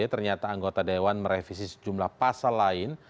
ternyata anggota dewan merevisi sejumlah pasal lain